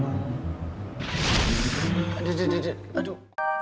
aduh aduh aduh